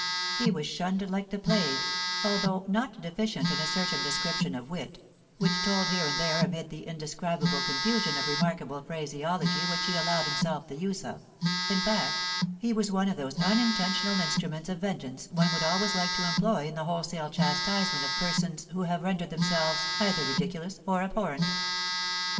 He was shunned like the plague, although not deficient in a certain description of wit, which told here and there amid the indescribable confusion of remarkable phraseology which he allowed himself the use of; in fact, he was one of those unintentional instruments of vengeance one would always like to employ in the wholesale chastisement of persons who have rendered themselves either ridiculous or abhorrent.